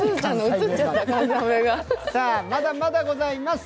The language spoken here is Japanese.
まだまだございます。